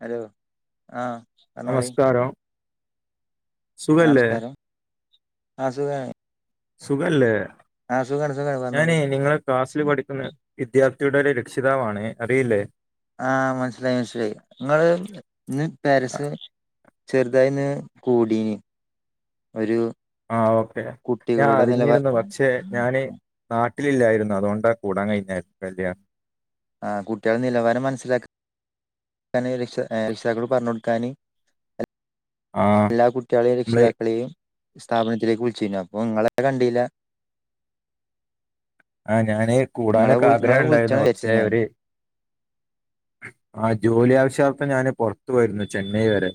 Hello ആഹ് പറഞ്ഞോളി നമസ്കാരം സുഖല്ലേ നമസ്കാരം ആഹ് സുഖാണ് സുഖല്ലേ ആ സുഖാണ് സുഖാണ് പറഞ്ഞോളി ഞാന് നിങ്ങളെ ക്ലാസ്സില് പഠിക്കുന്ന വിദ്യാർത്ഥിയുടെ ഒരു രക്ഷിതാവാണേ അറിയില്ലേ ആഹ് മനസ്സിലായി മനസ്സിലായി നങ്ങള് ന്ന് ആ പാരീസ് ചെറുതായിന്ന് കൂടീഞ് ഒരു ആഹ് ഓക്കെ ഞാൻ കുട്ടികളുടെ നിലവാ അറിഞ്ഞിരുന്നു പക്ഷെ ഞാന് നാട്ടിലില്ലായിരുന്നു അതുകൊണ്ടാ കൂടാൻ കഴിഞ്ഞ കല്യ ആഹ് കുട്ട്യേളെ നിലവാരം മനസ്സിലാക് കാനം രക്ഷ ഏഹ് ക്ഷിതാക്കളോട് പറഞ്ഞു കൊടുക്കാന് ആ എല്ലാ കുട്ട്യേളെയും നമ്മള് രക്ഷിതാക്കളെയും സ്ഥാപനത്തിലേക്ക് വിളിച്ചുനു അപ്പൊ നിങ്ങളെ കണ്ടില്ല ആഹ് ഞാന് ഇങ്ങളെ കൂടാനൊക്കെ ഇങ്ങളെ ആഗ്രഹംണ്ടായിരുന്നു വിളിച്ചാണ് വിചാരിച്ചു പക്ഷേ ഞാന് ഒര് ആഹ് ജോലി ആവശ്യർത്തം ഞാന് പൊറത്തു പോയിരുന്നു ചെന്നൈ വരെ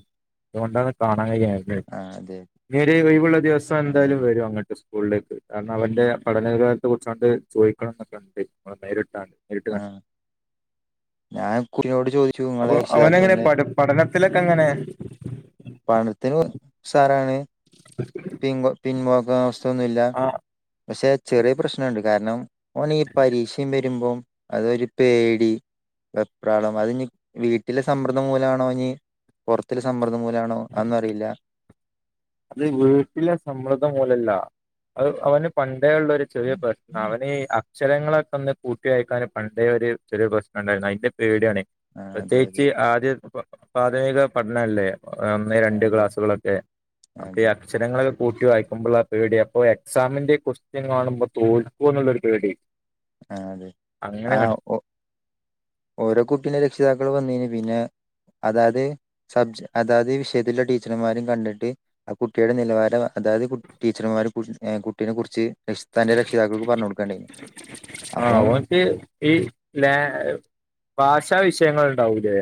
അതുകൊണ്ടാണ് കാണാൻ കഴിയാ ത് ആഹ് അതെ ഇനിയൊര് ഒഴിവുള്ള ദിവസം ആഹ് എന്തായാലും അതെ വരും അങ്ങട്ട് സ്‌ സ്കൂളിലേക്ക് കാരണം അവന്റെ പഠനകാ [unintelligible] കുറിചാണ്ട് ചോയ്ക്കണം ന്നൊക്കെണ്ട് ങ്ങളേ നേരി ഇട്ടാണ്ട് നേരിട്ട് ആഹ് കണ്ട് ഞാൻ കുട്ടിനോട് ചോദിച്ചു ഇങ്ങളെ അപ്പൊ അവനങ്ങനെ രക്ഷിതാക്കളെ പഠ പഠനത്തിലൊക്കെ ങ്ങനെ പണത്തിന് സാറാണ് പിൻ പിൻവാക്ക അവസ്ഥന്നുല്ല ആ പക്ഷെ ചെറിയ പ്രശ്നണ്ട് കാരണം ഓന് ഈ പരീക്ഷം വരുമ്പോം അതൊരു പേടി വെപ്രാളം അത് ഇനി വീട്ടിലെ സമ്മർദ്ദം മൂലാണോ ഇനി പൊറത്തില് സമ്മർദ്ദം മൂലാണോ അഒന്നും അറിയില്ല അത് വീട്ടിലെ സമ്മർദ്ധം മൂലല്ല അത് അവന് പണ്ടേ ഉള്ള ഒരു ചെറിയ പ്രശ്ന അവന് അ ചെലങ്ങളൊക്കെന്ന് കൂട്ട്യയക്കാന് പണ്ടേ ഒരു ചെറിയ പ്രശ്നംണ്ടായിരുന്നു അയിന്റെ പേടിയാണ് ആ അതെ അതെ പ്രത്യേകിച്ച് ആദ്യ പ്രാഥമിക പഠനല്ലേ ഒന്ന് ആ, രണ്ട് അതെ ക്ലാസ്സുകളൊക്കെ ആ, അതയാെ അതെ [unintelligible] അക്ഷരള് കൂട്ടി വായിക്കുമ്പള്ള ആ പേടിയ അപ്പൊ എക്സാമിന്റെ ക്വസ്റ്റ്യൻ കാണുമ്പോ തോൽക്കുവെന്നുള്ളൊരു പേടി ആ അതെ ആ അങ്ങനെയാണ് ഒ ഓരോ കുട്ടിന്റെ രക്ഷിതാക്കള് വന്നീന് പിന്നെ അതായത് സബ്ജ അതാത് വിഷയത്തിന്റെ ടീച്ചർമാരും കണ്ടിട്ട് ആ കുട്ടീടെ നിലവാരം അതായത് ടീച്ചർമാര കുട്ടീനെ കുറിച്ച് തന്റെ രക്ഷിതാക്കൾക്ക് പറഞ്ഞു കൊടുക്കണ്ടായിന് ആ ഓൻക്ക് ഈ ല ഭാഷാ വിഷയങ്ങള് ഉണ്ടാവൂലെ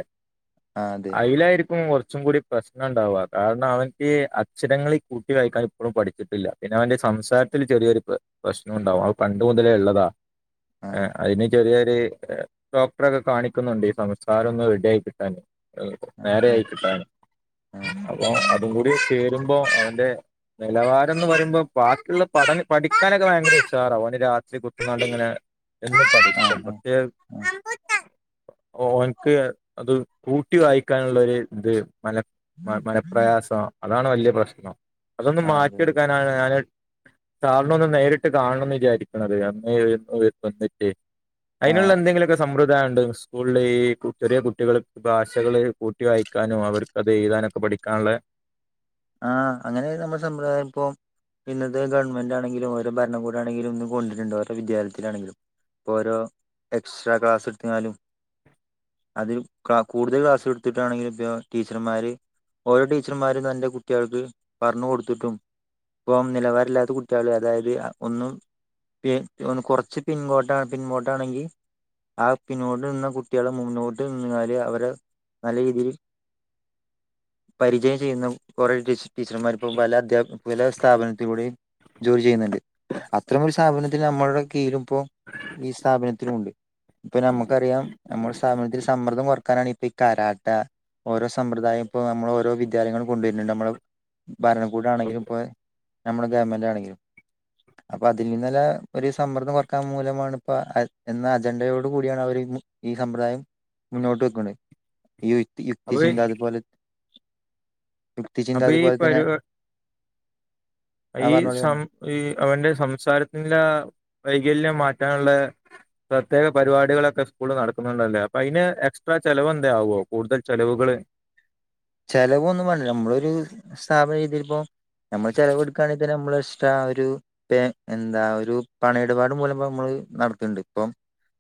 ആ അതെ അയിലായിരിക്കും കൊറച്ചും കൂടി പ്രശ്നം ഉണ്ടാവാ കാരണം അവൻക്ക് അക്ഷരങ്ങള് കൂട്ടി വായിക്കാൻ ഇപ്പോഴും പഠിച്ചിട്ടില്ല പിന്നെ അവന്റെ സംസാരത്തിന് ചെറിയൊരു പ്രശ്നംണ്ടാവും അത് പണ്ട് മുതലേ ഇള്ളതാ ആ ആഹ് അയിന് ചെറിയൊരു ഏ ഡോക്ടറൊക്കെ കാണിക്കുന്നുണ്ട് ഈ സംസാരം ഒന്ന് റെഡിയായിക്കിട്ടാന് ആഹ് ആഹ് നേരെയായി കിട്ടാൻ അപ്പൊ അതും കൂടി കയറുമ്പോ അവന്റെ നിലവാരം എന്ന് പറയുമ്പോ ബാക്കിയുള്ള പഠ നപഠിക്കാനൊക്കെ ഭയങ്കര ഉഷാറ ഓ ന് രാത്രി കുത്തിരുന്ന്ങ്ങാ ട്ട് ഇങ്ങനെ എന്ന് പഠിച്ച ആഹ് ആഹ് ആഹ് പക്ഷേ ആഹ് ഓൻക്ക് അത് കൂട്ടി വായിക്കാനുള്ള ഒരു ഇത് മന മനപ്രയാസം അതാണ് വലിയ പ്രശ്നം അതൊന്നന്ന് ആഹ് അതെ അതെ മാറ്റിയെടുക്കാനാണ് ഞാന് സാറിനെ ഒന്ന് നേരിട്ട് കാണണംന്ന് വിചാരിക്കണത് അമ്മേന്നിട്ടേ അതിനുള്ള ആഹ് എന്തെങ്കിലുമൊക്കെ സമ്പ്രദായം ഉണ്ട് സ്കൂളിൽ ഈ ചെറിയ കുട്ടികള് ഭാഷകള് കൂട്ടി വായിക്കാനും അവർക്ക്ത് എഴുതാനുക്കെ പഠിക്കാള്ള ആഹ അങ്ങനെ നമ്മുടെ സമ്പ്രായ ഇപ്പൊ ഇത് ഗവൺമെന്റ്ാണെങ്കിലും ഓരണകൂടാണെങ്കിലുംന്ന് കൊണ്ടിട്ടുണ്ട് ഓരോ വിദ്യാലയത്തിലാണങ്കിലും ഇപ്പ ഓരോ എക്സ്ട്രാ ക്ലാസ് എടുത്താലും അതിൽ കൂടുതൽ ക്ലാസ്സ് എടുത്തിട്ടാണെങ്കിലും ഇപ്പൊ ടീച്ചർമാര് ഓരോ ടീച്ചർമാരും തറെ കുട്ടികൾക്ക് പറഞ്ഞു കൊടുത്തിട്ടും ഇപ്പ നിലവാരല്ലാത്ത കുട്ടികള് അതായത് ഒന്നും പി ഒന്ന് കുറച്ച് പിൻ കോട്ടണ് പിൻകോട്ടണെങ്കിൽ ആ പിന്നോട്ട് നിന്ന കുട്ടികളെ മുന്നോട്ട് നിാല് അവരെ നല്ല രീതിയിൽ പരിചയം ചെയ്യുന്ന കുറെേ ടീ ടീച്ചർമാർ ഇപ്പോ പല അധ്യാപ പല സ്ഥാപനത്തിലൂടെയും ജോലി ചെയ്യുന്നുണ്ട് അത്രമൊ ഒരു സ്ഥാപനത്തിൽ നമ്മളുടെ കീഴും ഇപ്പോ ഈ സ്ഥാപനത്തിലുണ്ട് ഇപ്പൊ നമുക്കറിയാം നമ്മുടെ സാമൂഹത്തിൽ സമ്മർദ്ദം കുറക്കാനാണ് ഇപ്പൊ ഈ കരാട്ട ഓരോ സമ്പ്രദായം ഇപ്പോൾ നമ്മൾ ഓരോ വിദ്യ ലയങ്ങളും കൊണ്ടുവരുന്നുണ്ട് നമ്മൾ ഭരണകൂട ആണെങ്കിലും ഇപ്പോൾ നമ്മുടെ ഗവൺമെൻറ് ആണെങ്കിലും അപ്പൊ അതിൽ നിന്നല്ല ഒരു സമ്മർദ്ദം കുറക്കാൻ മൂലമാണ് ഇപ്പ എന്ന അജണ്ടയോട് കൂടിയാണ് അവര് ഈ സമ്പ്രദായം മുന്നോട്ട് വെക്കുണ് ഈ യു അപ്പൊ യുക്തിചിന്ത അതുപോലെ യുക്തിചിന്ത അപ്പൊ ഈ അതുപോലെ തന്നെ പരി ആ ഈ പറഞ്ഞോളി സം പറഞ്ഞു ഈ അവന്റെ സംസാരത്തിന്റെ വൈകല്യം മാറ്റാൻള്ള പ്രത്യേക പരിപാടികളൊക്കെ സ്കൂളിൽ നടക്കുന്നുണ്ടല്ലേ അപ്പൊ അയ്ന് എക്സ്ട്രാ ചലവ് എന്താകുമോ കൂടുതൽ ചെലവുകള് ചിലവ ഒന്നും വേില്ല നമ്മളരു സ്ഥാപന രീ്തിപ്പോ നമ്മൾ ചിലവ് ണ നമ്മള ഇഷ്ട ഒരു ഇ എന്താ ഒരു പണയിടപാട് മൂലം നമ്മള് നടത്തിണ്ട് ഇപ്പം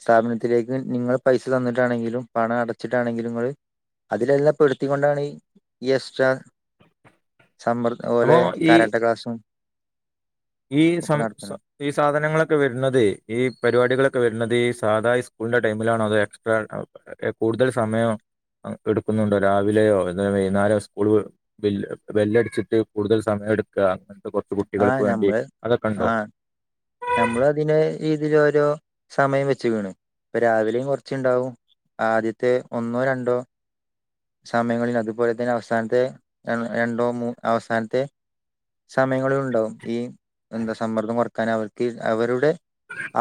സ്ഥാപനത്തിലേക്ക് നിങ്ങൾ പൈസ തന്നിട്ടാണെങ്കിലും പണം അടച്ചിട്ടാണെങ്കിലും ഇങ്ങള് അതില്ലല്ലാം പെടുത്തിക്കൊണ്ടാണെ യെസ്ട്രാ സമ്മർ അപ്പൊ പോലെ ഈ കരാട്ട ക്ലാസും ഈ സം സ ഈ സാധനങ്ങളൊക്കെ വെര്ന്നതെ ഈ പരിപാടികളൊക്കെ വെരുന്നത് ഈ സാധാ സ്കൂള്ന്റെ ടൈമിലാണോ അതോ എക്സ്ട്രാ [unintelligible] ഏഹ് കൂടുതൽ സമയം ആഹ് എടുക്കുന്നുണ്ടോ രാവിലേയോ അല്ലേ വൈന്നാരോ സ്കൂൾ വി ബെല്ല് ബെല്ലട്ച്ചിട്ട് കൂടുതൽ സമയം എടുക്കാ അങ്ങനത്തെ കൊറച്ച് ആ കുട്ടികൾക്ക് വേണ്ടി നമ്മള് അതൊക്കെണ്ടോ ആ നമ്മള് അതിന് രീതീല് ഓരോ സമയം വെച്ച്ക്ക്ണ് ഇപ്പൊ രാവിലേയും കൊറച്ച്ണ്ടാവും ആദ്യത്തെ ഒന്നോ രണ്ടോ സമയങ്ങളില് അതുപോലെ തന്നെ അവസാനത്തെ ര രണ്ടോ മൂ അവസാനത്തെ സമയങ്ങളിലുണ്ടാവും ഈ എന്താ സമ്മർദ്ദം കൊറക്കാൻ അവർക്ക് അവരുടെ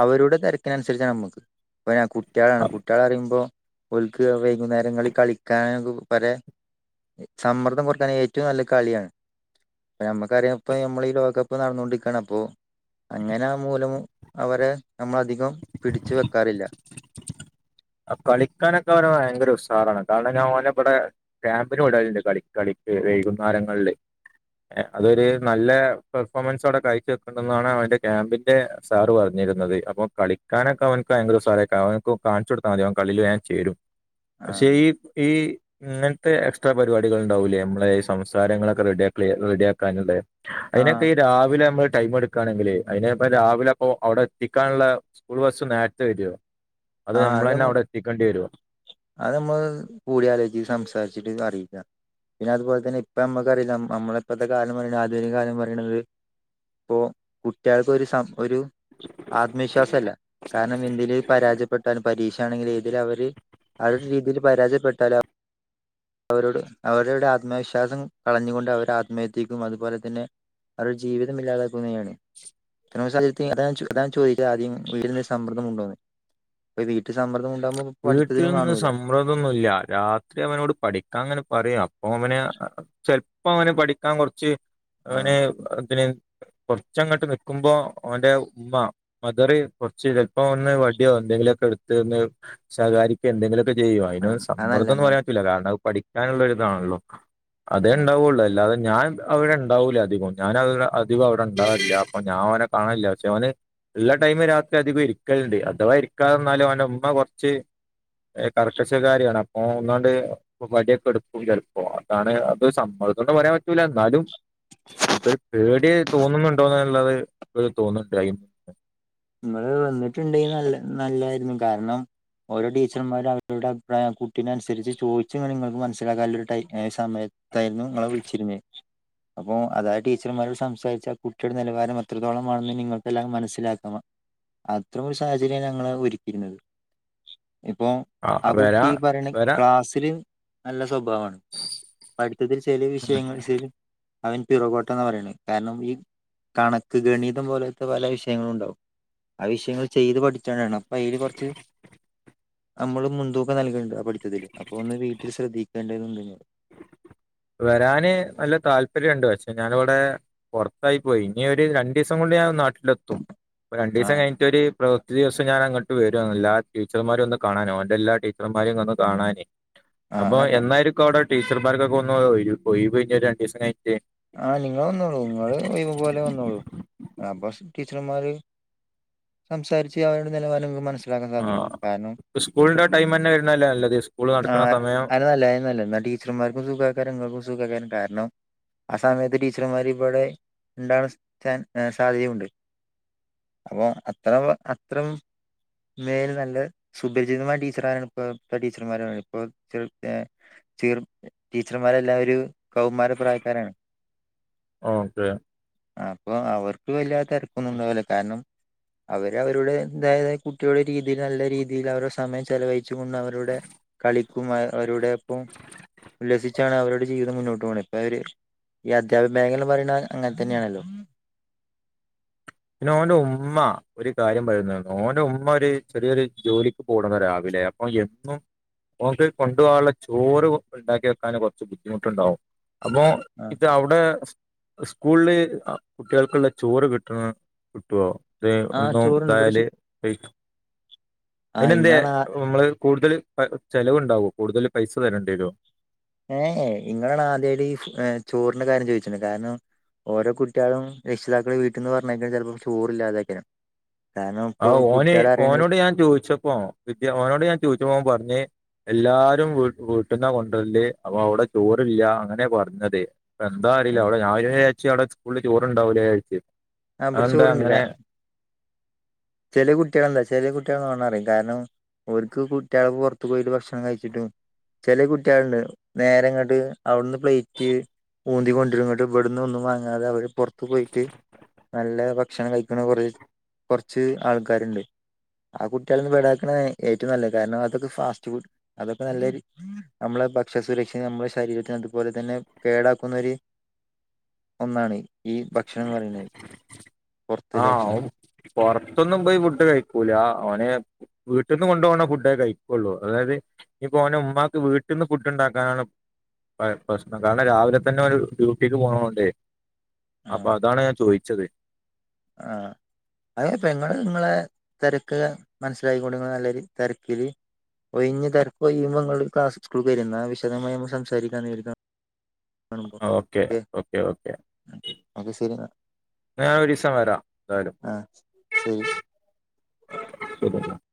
അവരുടെ തെരക്കിനനുസരിച്ചാണ് അമ്മക്ക് ഇപ്പഴാ കു കുട്ട്യളാണ് കുട്ട്യാളാറിയുമ്പോ ഓല്ക്ക് വൈകുന്നേരങ്ങളില് കളിക്കാനൊക്ക പലെ ഏഹ് സമ്മർദ്ദം കൊറക്കാൻ ഏറ്റവും നല്ലെ കളിയാണ് ഇപ്പ ഞമ്മക്കറിയാ ഇപ്പോ ഞമ്മള് ഈ ലോക കപ്പ് നടന്നോണ്ടിരിക്കാണ് അപ്പോ അങ്ങനെ ആ മൂലമൂ അവരെ നമ്മളധികം പിടിച്ച് വെക്കാറില്ല ആഹ് കളിക്കാനൊക്കെ അവന് ഭയങ്കര ഉസ്സാറാണ് കാരണം ഞാൻ ഓനെ ഇബടെ ക്യാമ്പിന് വിടല്ണ്ട് കളി കളിക്ക് വൈകുന്നാരങ്ങള്ല് ഏഹ് അതൊര് നല്ല പെർഫോമൻസവടെ കാഴ്ച വെക്ക്ണ്ടെന്നാണ് അവന്റെ ക്യാമ്പി ന്റെ സാറ് പറഞ്ഞിരുന്നത്. അപ്പൊ കളിക്കാനൊക്കെ അവന്ക്ക് ഭയങ്കര ഉസ്സാറേക്കാ അവന്ക്കു കാണ്ച്ചൊട് ത്താ മതി അവൻ കളീല് വേം ചേരും ആ പക്ഷേ ഈ ഈ ഇന്ന്ട്ട് എക്സ്ട്രാ പരിപാടികള് ഇണ്ടാവൂല്ലേ നമ്മളെ ഈ സംസാരങ്ങളൊക്കെ റെഡിയാ ക്ലിയർ റെഡിയാക്കാനുള്ളെ ആ അയിനൊക്കെ ഈ രാവിലെ ഞമ്മള് ടൈമെട് ക്കാണെങ്കിലെ അയിന്പ്പം രാവിലെ അപ്പോ അവടെ എത്തിക്കാനുള്ള സ്കൂൾ ബസ്സ് നേരത്തെ വരോ? ആഹ് അത് ഞമ്മൾ അഹ് ഞമ്മൾ കൂടി ആലോയിച്ച് സംസാരിച്ചിട്ട് അറിയിക്കാ പിന്നെ അതുപോലെ തന്നെ ഇപ്പ അമ്മക്കറില്ലാ അ അമ്മളെ ഇപ്പത്തെ കാലം പറിണെ ആധുനിക കാലം പറിണത് ഇപ്പോ കുട്ട്യൾക്ക് ഒരു സം ഒരു ആത്മവിശ്വാസല്ല കാരണം ഇഞ്ഞ് എന്തിലേലു പരാജയ ട്ടാലും പരീക്ഷ ആണെങ്കിലും എഴ്തിയേല്ല് അവര് ആ ഒര് രീതിയില് പരാജയപ്പെട്ടാലും അവരോട് അവരുടെ ആത്മവിശ്വാസം കളഞ്ഞുകൊണ്ട് അവരെ ആത്മഹത്യക്കും അതുപോലെ തന്നെ അവര്ടെ ജീവിതം ഇല്ലാതാക്കുന്നയാണ് [unintelligible] അതാണ് ചോ അതാണ് ചോദിക്ക്ണെ ആദ്യം വീട്ന്ന് സമ്മർദം ഉണ്ടോന്ന്? ഇപ്പ ഈ വീട്ടി സമ്മർദ്ദം ഉണ്ടാവുമ്പോ പഠിപ്പതിനും കാണൂല്ല മ്മർദൊന്നും ഇല്ല രാത്രി അവനോട് പഠിക്കാൻ ഇങ്ങനെ പറിയും അപ്പൊ അവന് ആഹ് ചെലപ്പോ അവന് പഠിക്കാൻ കൊറച്ച് ആ അവന് അതിന് കൊറച്ചങ്ങട്ട് നിക്ക്മ്പോ ഓന്റെ ഉമ്മ മദറ് കൊറച്ച് ചെല്പ്പോ ഒന്ന് വടിയോ എന്തെങ്കിലൊക്കെ എട്ത്ത് ഒന്ന് ശകാരിക്കോ എന്തെങ്കിലൊക്കെ ചെയ്യും ആഹ് അയിനൊന്നും അത് നല്ലതാണ് സമ്മർദ്ദംന്ന് നല്ല പറയാ പറ്റൂല്ല കാരണം അഹ് പഠിക്കാനള്ളൊരിതാണല്ലോ അതേ ആഹ് ബണ്ടാവോള്ളു അല്ലാതെ ഞാൻ അവിടെ ഇണ്ടാവൂല്ല അധികും ഞാൻ [unintelligible] അധികം അവ്ടെ ഇണ്ടാവേല്ല അപ്പൊ ഞാൻ ഓനെ കാണേല്ല പക്ഷേ ഓന് എല്ലാ ടൈമ് രാത്രി അധികം ഇരിക്കല്ണ്ട് അഥവാ ഇരിക്കാതെ വന്നാലും അവന്റെ ഉമ്മ കൊറച്ച് ഏഹ് കർക്കശക്കാരിയാണ് അപ്പൊ ഒന്നാണ്ട് [unintelligible] വടിയൊക്കെ എടുക്കും ചെലപ്പോ അതാണ് അത് സമ്മർദ്ദോന്ന് പറയാൻ പറ്റൂല്ല എന്നാലും [unintelligible] പേടിയായി തോന്നുന്നുണ്ടോന്ന്ള്ളത് ഇപ്പയ് തോന്ന്ണ്ടായി ഇങ്ങള് വന്ന്ട്ട്ണ്ടെങ്കി നല്ല നല്ലായിരുന്നു കാരണം ഓരോ ടീച്ചർമാരും അവരുടെ അഭിപ്രായം കുട്ടിനെനുസരിച്ച് ചോയിച്ച് ഇങ്ങനെ ഇങ്ങള്ക്ക് മനസിലാക്കാല്ലൊര് ടൈ ഏഹ് സമയ തായിരുന്നു ഇങ്ങളെ വിളിച്ചിരുന്നേ അപ്പൊ അതായത് ടീച്ചർമാരോട് സംസാരിച്ച ആഹ് കുട്ടിയുടെ നിലവാരം അത്രത്തോളംമാണെന്ന് നിങ്ങൾക്ക് എല്ലാം മനസ്സിലാക്കാം. അത്ര ഒരു സാഹചര്യ ഞങ്ങള് ഒരുക്കിയിരുന്നത്. ഇപ്പോ ആ ആഹ് വരാ കുട്ടി പറയണേ വരാ ക്ലാസ്സില് നല്ല സ്വഭാവാണ് പഠിത്തത്തിൽ ചെലേ ഉം വിഷയങ്ങൾ ചെലേ അവൻ പിറകോട്ടാന്നാ പറിണേ കാരണം ഈ കണക്ക് ഗണിതം പോലത്തെ പല വിഷയങ്ങളും ഉണ്ടാവും. ആഹ് വിഷയങ്ങൾ ചെയ്ത് പഠിച്ചുകൊണ്ടാണ് അപ്പ അയിൽ കൊർച്ച് നമ്മള് മുൻതൂക്കം നൽകേണ്ട ആഹ് പഠിച്ചതില് അപ്പൊ ഒന്ന് വീട്ടിൽ ശ്രദ്ധിക്കേണ്ടത് നിങ്ങള് വരാന് നല്ല താല്പര്യണ്ട് പക്ഷെ ഞാന് വടെ പൊറത്തായി പോയി ഇഞ്ഞ് ഒര് രണ്ടിസം കൊണ്ട് ഞാൻ നാട്ടിലെത്തും ആ രണ്ടിസം കഴി റ്റൊര് പ്രവൃത്തി ദിവസം ഞാൻ അങ്ങട്ട് വരും എല്ലാം ടീച്ചർമാരെ ഒന്ന് കാണാനോ ഓന്റെ എല്ലാ ടീച്ചർമാരെയും ഒന്ന് കാണാനെ. ആ അപ്പൊ നല്ലാണ് എന്നായിരിക്കും അഒടെ ടീച്ചർമാർക്കൊക്കെ ഒന്ന് ഒഴി ഒഴിവ് ഇഞ്ഞ് ഒര് രണ്ടിസം കഴിഞ്ഞിട്ട്? ആഹ് നിങ്ങള് വന്നോളൂ നിങ്ങള് ഒഴിവ് പോലെ വന്നോളു. അപ്പൊ ടീച്ചർമാര് സംസാരിച്ച് അവരുടെ നിലവാരം നിങ്ങക്ക് മനസ്സില ലാക്കാൻ സാധിക്കും കാരണം ആഹ് സ്കൂളിന്റെ ടൈം തന്നെ വരുന്നല്ലേ നല്ലത്. സ്കൂൾ ആ നടക്ക്ണ സമയം അത് നല്ലേ അത് നല്ലേ ടീ ടീച്ചർമാർക്കും സുഖേക്കാരം ഇങ്ങൾക്കു സുഖേക്കാരം കാരണം ആഹ് സമയത്ത് ടീച്ചർമാര് ഇവടെ ഇണ്ടാവാൻസ് ചേൻ ഏഹ് സാധ്യതയുണ്ട്. അപ്പോ അത്രള്ള അത്രയും മേൽ നല്ല സുപരിചിതമായ ടീച്ചർ ആരാണ് ഇപ്പം ഇപ്പം ടീച്ചർമാര് ഇപ്പം [unintelligible] ഏഹ് ചീർ ടീച്ചർമാരെല്ലാം ഒരു കൗമാര പ്രായക്കാരാണ്. ആഹ് ഓക്കെ അപ്പൊ അവർക്ക് വല്യ തെരക്കൊന്നും ഉണ്ടാവുല കാരണം അവര് അവരുടെ അതായത് കുട്ടികളുടെ രീതിൽ നല്ല രീതിയിൽ അവരുടെ സമയം ചെലവഴിച്ച് കൊണ്ട് അവരുടെ കളിക്കും അ അവരോടെ അപ്പം ഉല്ലസിച്ചാണ് അവരുടെ ജീവിതം മുന്നോട്ട് പോണേ ഇപ്പ അവര് ഈ അധ്യാപക മേഖല പറിണ അങ്ങനെ തന്നെയാണല്ലോ. പിന്നെ ഓന്റെ ഉമ്മ ഒരു കാര്യം പറയുന്നരുന്നു ഓൻ്റെ ഉമ്മ ഒര് ചെറിയൊരു ജോലിക്ക് പോട്ന്ന രാവിലെ ഓഹ് എന്നും ഓൻക്ക് കൊണ്ടുപോകാനുള്ള ചോറ് ഉണ്ടാക്കി വെക്കാൻ കൊറച്ച് ബുദ്ധിമുട്ടുണ്ടാവും അപ്പോ ആ ഇത് അഒടെ സ് സ്കൂൾൽ കുട്ടികൾക്കുള്ള ചോറ് കിട്ടണം കിട്ടോ ത് ആ ഒന്നും ചോറുണ്ട് ഇവിടെ ഇതായാല് ചോ എഴ്ത്ത് ആ അതിന് നെന്തേ ഇങ്ങളാ നമ്മള് കൂടുതൽ ചെലവ്ണ്ടാവോ കൂടുതൽ പൈസ തരേണ്ടിരോ? ഏഹേ ഇങ്ങളാണ് ആദ്യായിട്ട് ഈഫ് ഏഹ് ചോറിൻ്റെ കാര്യം ചോദിച്ചിണത് കാരണം ഓരോ കുട്ട്യളും രക്ഷിതാക്കൾ വീട്ട്ന്ന് പറഞ്ഞേക്കും ചെലപ്പോം ചോറ് ഇല്ലാതേക്കാരം. ആഹ് ഓന് ഓനോട് ഞാൻ ചോദിച്ചപ്പോ വിദ്യ ഓനോട് ഞാൻ ചോദിച്ചപ്പോ ഓൻ പറഞ്ഞേ എല്ലാരും വ് വീട്ട്ന്ന കൊണ്ടര്ല്ലേ അപ്പൊ അവിടെ ചോറില്ല അങ്ങനെ പറഞ്ഞതേ. എന്താറിയില ഏ അഒടെ [unintelligible] അഒടെ സ്കൂളില് ചോറുണ്ടാവുലേ വിചാരിച്ച് ആഹ് ഇബടെ അതെന്താ അങ്ങനെ ചോറുണ്ടതാ. ചെലേ കുട്ട്യൾ എന്താ ചെല കുട്ട്യൾ നൊണ പറിം കാരണം ഓര്ക്ക് കുട്ട്യൾക്ക് പൊർത്ത് പോയിട്ട് ഭക്ഷണം കഴിച്ചിട്ടും ചെല കുട്ട്യള്ണ്ട് നേരങ്ങോട്ട് അഒട്ന്ന് പ്ലേറ്റ് ഊന്തി കൊണ്ടരുംങ്ങട്ട് ഇവട്ന്ന് ഒന്നും വാങ്ങാതെ അവരെ പൊർത്ത് പോയിട്ട് നല്ല ഭക്ഷണം കഴിക്ക്ണ കൊറേ കുറച്ച് ആൾക്കാരുണ്ട് ആ കുട്ടികളൊന്ന് വിടാക്കണ ഏറ്റവും നല്ലത് കാരണം അതൊക്കെ ഫാസ്റ്റ് ഫുഡ് അതൊക്കെ നല്ലൊരു നമ്മളെ ഭക്ഷ്യസുരക്ഷ നമ്മളുടെ ശരീരത്തിനന് അതുപോലെ തന്നെ കേടാക്കുന്ന ഒരു ഒന്നാണ് ഈ ഭക്ഷണം എന്ന് പറയുന്നത് പുറത്തുള്ള ഭക്ഷണം ആഹ് പുറത്തൊന്നും പോയി ഫുഡ് കഴിക്കൂല ഓന് വീട്ടിൽ നിന്ന് കൊണ്ടു പോണ ഫുഡേ കഴിക്കുള്ളൂ അതായത് ഇപ്പോൾ ഒന് ഉമക്ക് വീട്ടിൽ നിന്ന് പുട്ട് ഉണ്ടാക്കാനാണ് പ്രശ്നം കാരണം രാവിലെ തന്നെ ഒരു ഡ്യൂട്ടിക്ക് പോകണതൊണ്ടേ അപ്പൊ അതാണ് ഞാൻ ചോദിച്ചത് ആഹ അതെപ്പ നിങ്ങൾ നിങ്ങളെ തിരക്ക് മനസ്സിലായികൊണ്ട് നല്ലൊരു തിരക്കില് ഒഴിഞ്ഞു തിരക്കൊഴിയുമ്പോൾ നിങ്ങളൊന്നുക്ലാസ്സ് സ്കൂളിലേക്ക് വരി ഇന്നാ വിശദമായി നമുക്ക് സംസാരിക്കാം എന്ന് കരുതുന്നു ഓക്കെ ഓക്കെ ഓക്കേ ഓക്കെ ശരി എന്നാ ഞാൻ ഒരീസം വരാം എന്തായാലും ആഹ ശരി [unintelligible]